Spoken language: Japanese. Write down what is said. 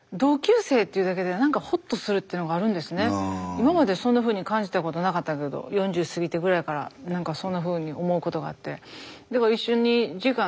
今までそんなふうに感じたことなかったけど４０過ぎてぐらいからなんかそんなふうに思うことがあって。